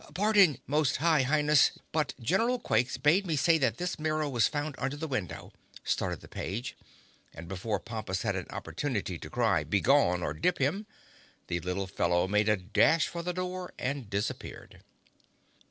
"Pardon, Most High Highness, but General Quakes bade me say that this mirror was found under the window," stuttered the page, and before Pompus had an opportunity to cry "Begone!" or "Dip him!" the little fellow made a dash for the door and disappeared.